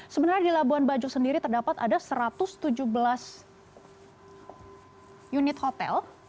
sebenarnya di labuan bajo sendiri terdapat ada satu ratus tujuh belas unit hotel